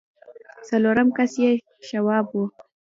څلورم کس يې شواب و.